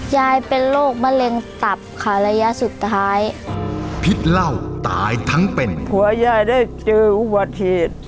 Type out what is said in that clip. ยายเป็นโรคมะเร็งตับค่ะระยะสุดท้ายพิษเหล้าตายทั้งเป็นผัวยายได้เจออุบัติเหตุ